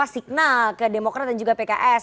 signal ke demokrat dan juga pks